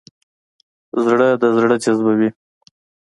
زړه د زړه جذبوي.